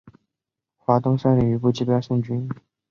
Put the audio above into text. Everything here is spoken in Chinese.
华登率余部击败宋军。